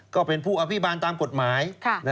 ก็เป็นผู้อภิบาลตามกฎหมาย